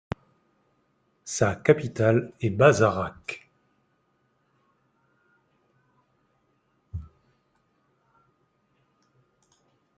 Sa capitale est Bazarak.